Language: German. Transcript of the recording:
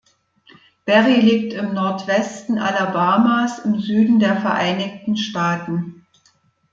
Berry liegt im Nordwesten Alabamas im Süden der Vereinigten Staaten.